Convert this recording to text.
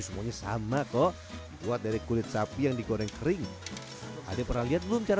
semuanya sama kok dibuat dari kulit sapi yang digoreng kering ada pernah lihat belum cara